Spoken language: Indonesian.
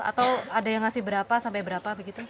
atau ada yang ngasih berapa sampai berapa begitu